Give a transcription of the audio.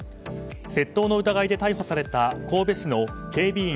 窃盗の疑いで逮捕された神戸市の警備員